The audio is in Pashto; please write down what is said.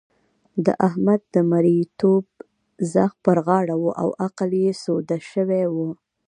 د احمد د مرېيتوب ځغ پر غاړه وو او عقل يې سوده شوی وو.